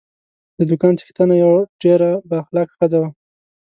د دوکان څښتنه یوه ډېره با اخلاقه ښځه وه.